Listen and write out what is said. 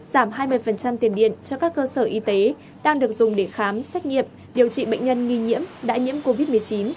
giảm hai mươi tiền điện cho các cơ sở y tế đang được dùng để khám xét nghiệm điều trị bệnh nhân nghi nhiễm đã nhiễm covid một mươi chín